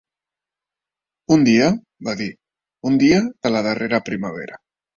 -Un dia- va dir -un dia de la darrera primavera